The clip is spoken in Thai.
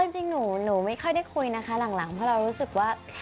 จริงหนูไม่ค่อยได้คุยนะคะหลังเพราะเรารู้สึกว่า